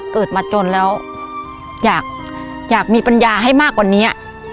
เกิดมาจนแล้วอยากมีปัญญาให้มากกว่านี้